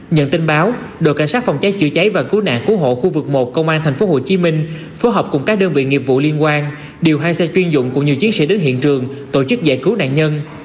nhận tin báo đội cảnh sát phòng cháy chữa cháy và cứu nạn cứu hộ khu vực một công an tp hcm phối hợp cùng các đơn vị nghiệp vụ liên quan điều hai xe chuyên dụng cùng nhiều chiến sĩ đến hiện trường tổ chức giải cứu nạn nhân